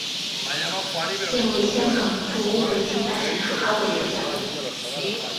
现为香港古物古迹办事处考古学家。